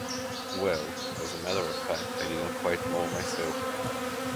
Well, as a matter of fact, I didn't quite know myself.